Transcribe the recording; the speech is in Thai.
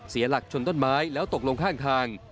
เสียหลักชนต้นไม้แล้วตกลงข้างทาง